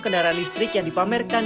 kendaraan listrik yang dipamerkan